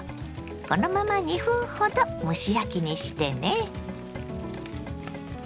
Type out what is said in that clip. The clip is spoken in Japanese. このまま２分ほど蒸し焼きにしてね。